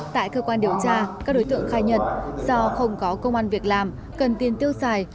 tại cơ quan điều tra các đối tượng khai nhận do không có công an việc làm cần tiền tiêu xài